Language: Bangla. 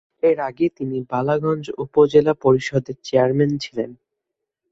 এর আগে তিনি বালাগঞ্জ উপজেলা পরিষদের চেয়ারম্যান ছিলেন।